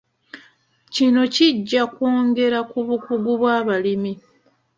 Kino kijja kwongera ku bukugu kw'abalimi.